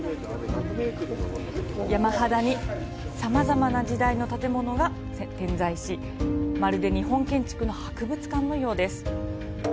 山肌にさまざまな時代の建物が点在しまるで日本建築の博物館のようです。